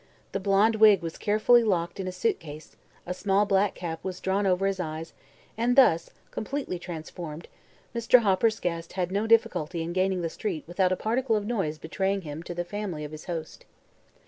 The blond wig was carefully locked in a suit case, a small black cap was drawn over his eyes, and thus completely transformed Mr. Hopper's guest had no difficulty in gaining the street without a particle of noise betraying him to the family of his host.